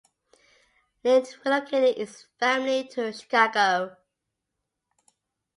Lynd relocated his family to Chicago.